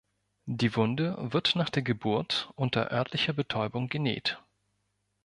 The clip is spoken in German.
Die Wunde wird nach der Geburt unter örtlicher Betäubung genäht.